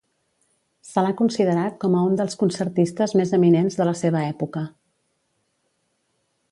Se l'ha considerat com a un dels concertistes més eminents de la seva època.